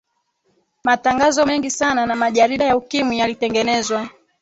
matangazo mengi sana na majarida ya ukimwi yalitengenezwa